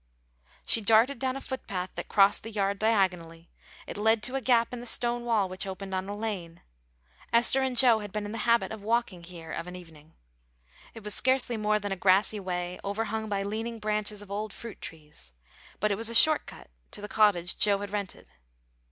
She darted down a foot path that crossed the yard diagonally. It led to a gap in the stone wall which opened on a lane. Esther and Joe had been in the habit of walking here of an evening. It was scarcely more than a grassy way overhung by leaning branches of old fruit trees, but it was a short cut to the cottage Joe had rented.